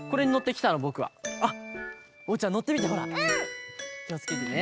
きをつけてね！